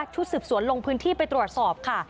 ชุดสืบสวนลงพื้นที่ไปตรวจสอบค่ะ